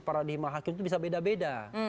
paradigma hakim itu bisa beda beda